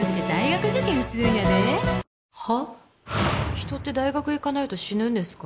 人って大学行かないと死ぬんですか？